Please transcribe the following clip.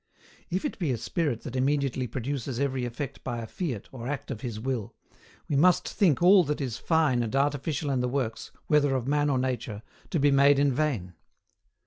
If it be a Spirit that immediately produces every effect by a fiat or act of his will, we must think all that is fine and artificial in the works, whether of man or nature, to be made in vain.